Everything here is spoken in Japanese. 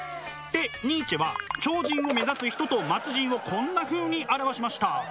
でニーチェは超人を目指す人と末人をこんなふうに表しました。